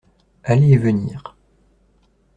Aller et venir.